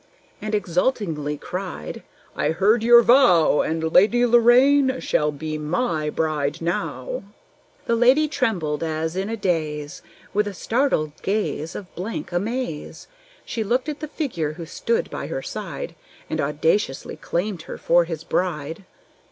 And exultingly cried, "I heard your vow; And Lady Lorraine shall be my bride now!" The lady trembled, as in a daze; With a startled gaze of blank amaze, She looked at the figure who stood by her side And audaciously claimed her for his bride.